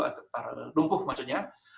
atau lumpuh maksudnya